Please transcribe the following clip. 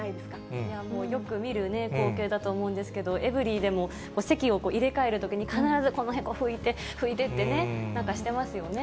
これはもう、よく見る光景だと思うんですけれども、エブリィでも席を入れ替えるときに、必ずこの辺を拭いて、拭いてってね、なんかしてますよね。